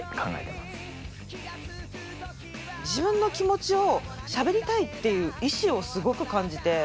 自分の気持ちをしゃべりたいっていう意思をすごく感じて。